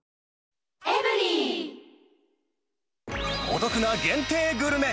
お得な限定グルメ。